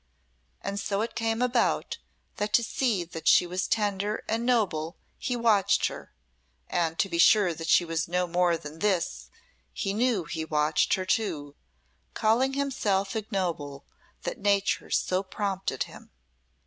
And so it came about that to see that she was tender and noble he watched her, and to be sure that she was no more than this he knew he watched her too, calling himself ignoble that Nature so prompted him.